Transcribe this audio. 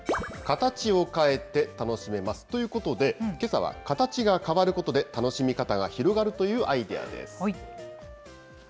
形を変えて楽しめますということで、けさは形が変わることで、楽しみ方が広がるというアイデアです。